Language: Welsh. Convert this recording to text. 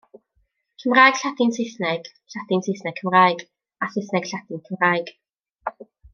Cymraeg-Lladin-Saesneg, Lladin-Saesneg-Cymraeg a Saesneg-Lladin-Cymraeg.